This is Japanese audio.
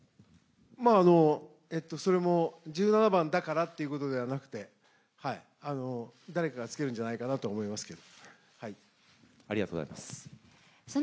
それも１７番だからということではなくて、誰かがつけるんじゃないかなと思いますけど。